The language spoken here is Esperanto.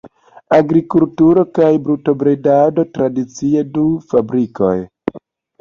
Agrikulturo kaj brutobredado tradicie, du fabrikoj.